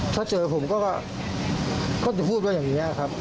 ถ้าเจอผมก็จะพูดว่าอย่างนี้ครับ